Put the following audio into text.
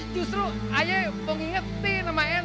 justru ayah inget nama saya